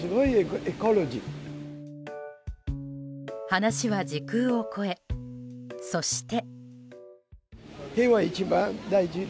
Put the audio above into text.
話は時空を超え、そして。